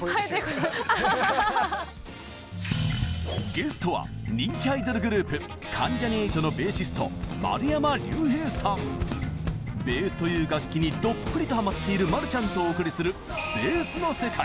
ゲストは人気アイドルグループベースという楽器にどっぷりとハマっている丸ちゃんとお送りする「ベース」の世界！